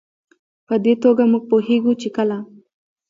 په دې توګه موږ پوهېږو چې کله